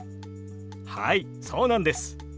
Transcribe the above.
はいそうなんです。